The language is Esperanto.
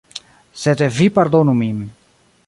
Sed vi pardonu min.